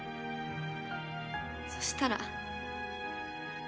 そしたら。